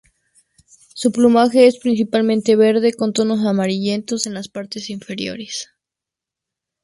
Su plumaje es principalmente verde, con tonos amarillentos en las partes inferiores.